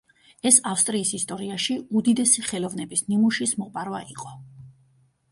ეს ავსტრიის ისტორიაში უდიდესი ხელოვნების ნიმუშის მოპარვა იყო.